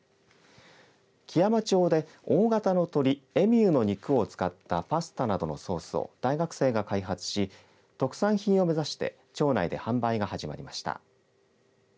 基山町で大型の鳥エミューの肉を使ったパスタなどのソースを大学生が開発し特産品を目指して町内で販売が始まりました。